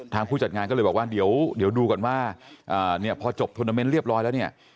ทางผู้จัดงานก็เลยบอกว่าเดี๋ยวดูกันว่าพอจบทวนเตอร์เมนต์เรียบร้อยแล้วเนี่ย